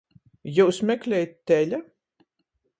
Jius meklejit teļa?